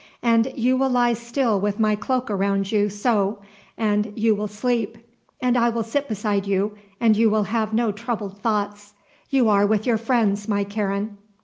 And you will lie still with my cloak around you, so; and you will sleep. And I will sit beside you and you will have no troubled thoughts. You are with your friends, my Karen."